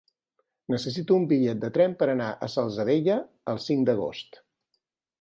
Necessito un bitllet de tren per anar a la Salzadella el cinc d'agost.